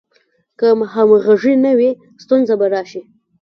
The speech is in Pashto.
که همغږي نه وي، ستونزې به راشي.